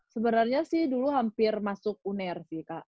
sebenarnya sih dulu hampir masuk uner sih kak